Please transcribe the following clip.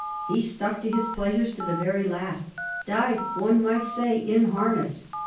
He stuck to his pleasures to the very last — died, one might say, in harness.